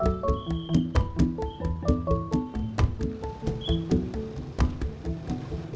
kalian lah di gunung